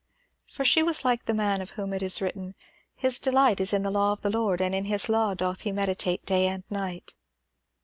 For she was like the man of whom it is written "His delight is in the law of the Lord, and in his law doth he meditate day and night."